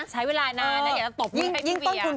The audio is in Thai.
ยิ่งต้นทุน